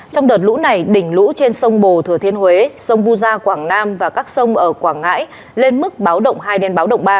trong đợt lũ này đỉnh lũ trên sông bồ thừa thiên huế sông vu gia quảng nam và các sông ở quảng ngãi lên mức báo động hai đến báo động ba